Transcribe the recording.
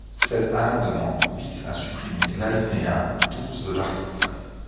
Cet amendement vise à supprimer l’alinéa douze de l’article.